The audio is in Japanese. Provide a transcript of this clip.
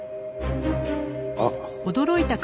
あっ。